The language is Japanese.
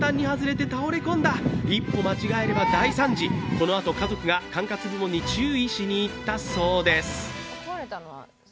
一歩間違えれば大惨事、このあと家族が管轄部門に注意しに行ったそうです。